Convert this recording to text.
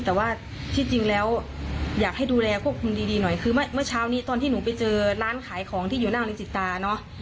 แต่ว่าที่จริงแล้วอยากให้ดูแลพวกคุณดีหน่อยคือเมื่อเช้านี้ตอนที่หนูไปเจอร้านขายของที่อยู่หน้าลินจิตาเนอะ